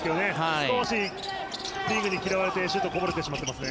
少しリングに嫌われてシュートがこぼれてしまっていますね。